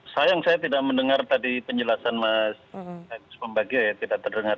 sayang saya tidak mendengar tadi penjelasan mas agus pembagio ya tidak terdengar